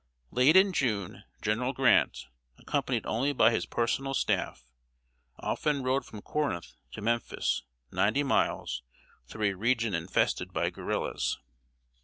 Late in June, General Grant, accompanied only by his personal staff, often rode from Corinth to Memphis, ninety miles, through a region infested by guerrillas.